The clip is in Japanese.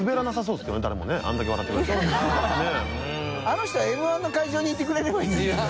あの人がＭー１の会場にいてくれればいいのにな。